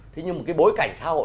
thế nhưng mà cái bối cảnh xã hội